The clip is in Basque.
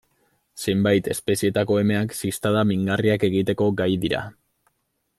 Zenbait espezietako emeak ziztada mingarriak egiteko gai dira.